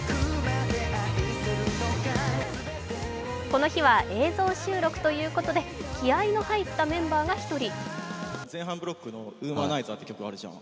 この日は映像収録ということで気合いの入ったメンバーが１人。